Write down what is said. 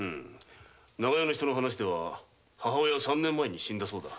長屋の人の話では母親は三年前に死んだそうだ。